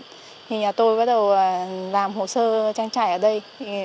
thì nhà tôi bắt đầu làm hồ sơ trang trại ở đây